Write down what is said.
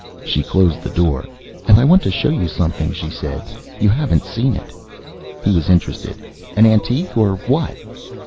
She closed the door. "And I want to show you something," she said. "You haven't seen it." He was interested. "An antique? Or what?"